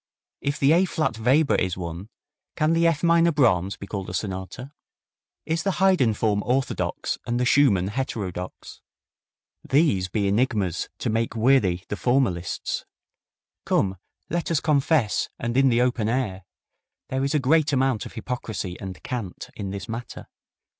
If the A flat Weber is one, can the F minor Brahms be called a sonata? Is the Haydn form orthodox and the Schumann heterodox? These be enigmas to make weary the formalists. Come, let us confess, and in the open air: there is a great amount of hypocrisy and cant in this matter.